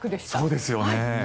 そうですよね。